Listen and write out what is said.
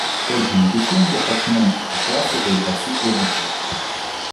Ordine di funghi appartenenti alla classe dei Basidiomiceti.